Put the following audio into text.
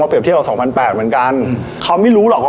เปรียบเทียบกับสองพันแปดเหมือนกันเขาไม่รู้หรอกว่า